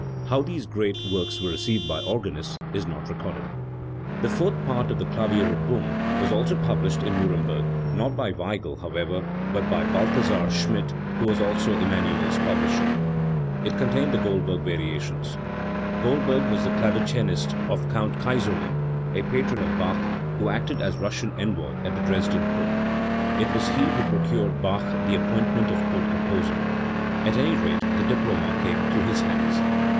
How these great works were received by organists is not recorded. The fourth part of the Klavierilbung was also published in Nuremberg, not by Weigel, however, but by Balthasar Schmidt, who was also Emmanuel's publisher. It con tained the Goldberg Variations. Goldberg was the clave cinist of Count Kayserling, a patron of Bach, who acted as Russian envoy at the Dresden Court. It was he who procured Bach the appointment of Court Composer; at any rate the diploma came through his hands.